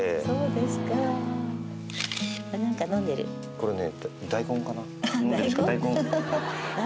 これはね。